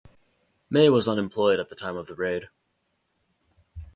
Maye was unemployed at the time of the raid.